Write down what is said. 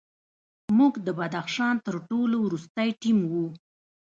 موږ د بدخشان تر ټولو وروستی ټیم وو.